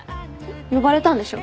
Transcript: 呼ばれたんでしょ？